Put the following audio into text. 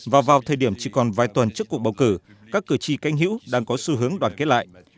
và vào thời điểm chỉ còn vài tuần trước cuộc bầu cử các cử tri canh hữu đang có xu hướng đoàn kết lại